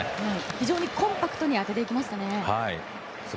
非常にコンパクトに当てていきました。